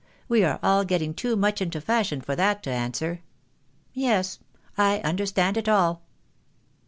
We are all getting too much into fashion for that to answer. Yes; I understand it all."